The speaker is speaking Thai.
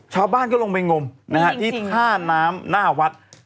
ชาวบ้านก็ลงไปงมที่ท่าน้ำหน้าวัด